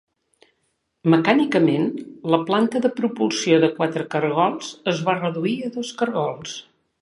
Mecànicament, la planta de propulsió de quatre cargols es va reduir a dos cargols.